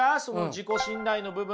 自己信頼の部分。